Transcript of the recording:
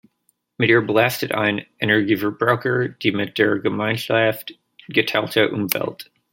Mit ihr belastet ein Energieverbraucher die mit der Gemeinschaft geteilte Umwelt.